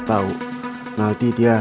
tahu nanti dia